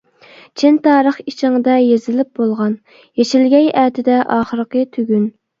چىن تارىخ ئىچىڭدە يېزىلىپ بولغان، يېشىلگەي ئەتىدە ئاخىرقى تۈگۈن.